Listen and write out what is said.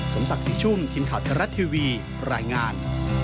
สมศักดิ์ศรีชุ่มทีมข่าวไทยรัฐทีวีรายงาน